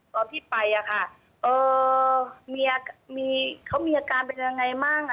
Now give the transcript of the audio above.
ตอนที่ไปอะค่ะเมียเขามีอาการเป็นยังไงบ้าง